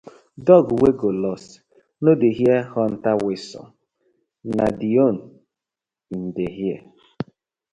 Dog wey go lost no dey hear hunter whistle na die own im dey hear.